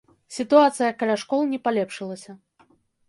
Сітуацыя каля школ не палепшылася.